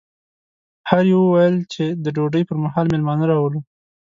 هر یوه ویل چې د ډوډۍ پر مهال مېلمانه راولو.